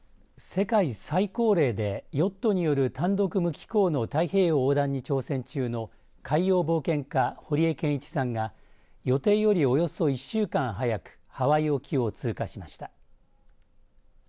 世界最高齢でヨットによる単独無寄港の太平洋横断に挑戦中の海洋冒険家、堀江謙一さんが予定よりおよそ１週間早くハワイ沖を通過しました。